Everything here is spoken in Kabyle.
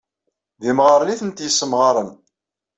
D imɣaren i tent-yesemɣaren.